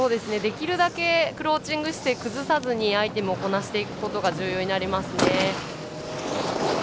できるだけクローチング姿勢崩さずにアイテムをこなしていくことが重要になりますね。